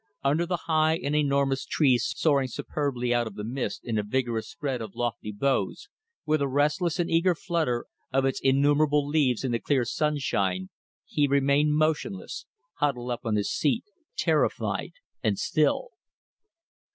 Under the high and enormous tree soaring superbly out of the mist in a vigorous spread of lofty boughs, with a restless and eager flutter of its innumerable leaves in the clear sunshine, he remained motionless, huddled up on his seat: terrified and still.